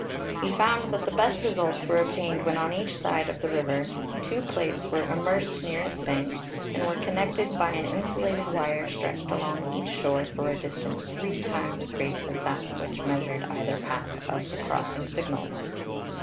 He found that the best results were obtained when on each side of the river two plates were immersed near its bank and were connected by an insulated wire stretched along each shore for a distance three times as great as that which measured either path of the cross ing signals.